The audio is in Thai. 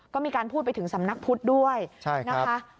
ก็มีการพูดไปถึงสำนักพุทธด้วยนะคะ